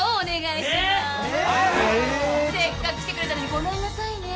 せっかく来てくれたのにごめんなさいね。